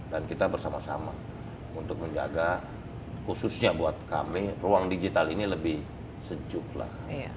dan kita bersama sama untuk menjaga khususnya buat kami ruang digital ini lebih sejuk lah